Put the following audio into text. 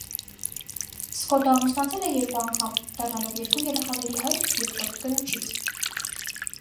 Սքոթը ամուսնացել է երկու անգամ՝ դառնալով երկու երեխաների հայր երկրորդ կնոջից։